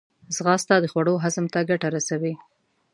ځغاسته د خوړو هضم ته ګټه رسوي